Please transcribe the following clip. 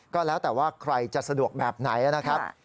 ก็แล้วแต่ว่าใครจะสะดวกแบบไหนนะครับ